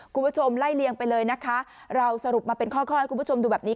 คุณผู้ชมไล่เลียงไปเลยนะคะเราสรุปมาเป็นข้อข้อให้คุณผู้ชมดูแบบนี้